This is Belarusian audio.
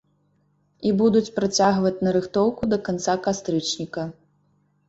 І будуць працягваць нарыхтоўку да канца кастрычніка.